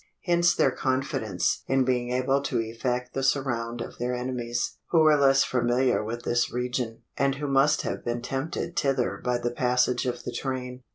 Hence their confidence in being able to effect the surround of their enemies, who were less familiar with this region; and who must have been tempted thither by the passage of the train.